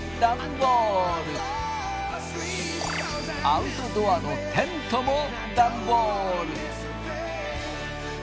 アウトドアのテントもダンボール。